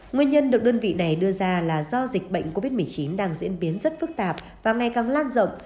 nguyên nhân được đơn vị này đưa ra là do dịch bệnh covid một mươi chín đang diễn biến rất phức tạp và ngày càng lan rộng